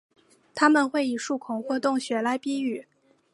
它们会以树孔或洞穴来避雨。